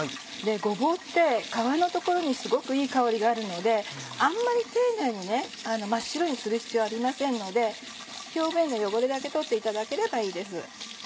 ごぼうって皮の所にすごくいい香りがあるのであんまり丁寧に真っ白にする必要はありませんので表面の汚れだけ取っていただければいいです。